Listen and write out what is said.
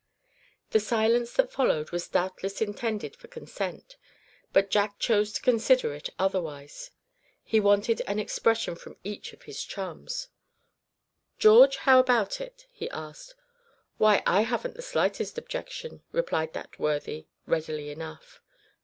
The silence that followed was doubtless intended for consent; but Jack chose to consider it otherwise. He wanted an expression from each of his chums. "George, how about it?" he asked. "Why, I haven't the slightest objection," replied that worthy, readily enough.